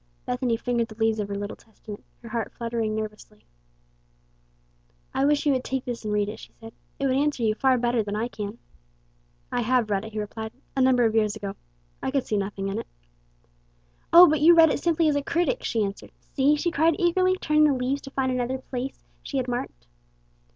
Bethany fingered the leaves of her little Testament, her heart fluttering nervously. "I wish you would take this and read it," she said. "It would answer you far better than I can." "I have read it," he replied, "a number of years ago. I could see nothing in it." "O, but you read it simply as a critic," she answered. "See!" she cried eagerly, turning the leaves to find another place she had marked.